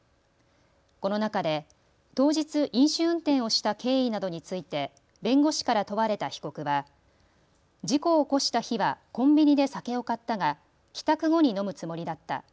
この中で当日、飲酒運転をした経緯などについて弁護士から問われた被告は事故を起こした日はコンビニで酒を買ったが帰宅後に飲むつもりだった。